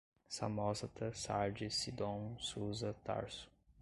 Samósata, Sárdis, Sidom, Susa, Tarso